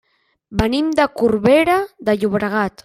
Venim de Corbera de Llobregat.